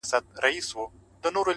مثبت لید فرصتونه پیدا کوي